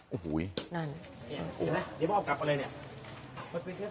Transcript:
โอ้โหนั่นเห็นไหมเดี๋ยวพ่อกลับมาเลยเนี่ย